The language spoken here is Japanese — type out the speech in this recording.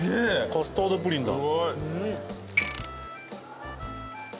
カスタードプリンだ。